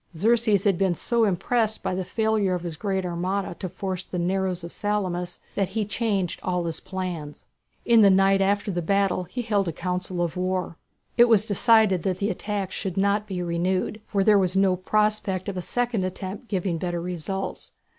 Xerxes had been so impressed by the failure of his great armada to force the narrows of Salamis that he had changed all his plans. In the night after the battle he held a council of war. It was decided that the attack should not be renewed, for there was no prospect of a second attempt giving better results.